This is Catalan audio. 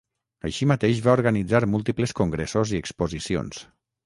Així mateix va organitzar múltiples congressos i exposicions.